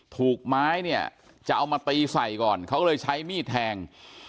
ถูกไม้เนี่ยจะเอามาตีใส่ก่อนเขาก็เลยใช้มีดแทง